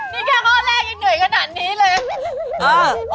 นี่แค่ข้อแรกยังเหนื่อยขนาดนี้เลย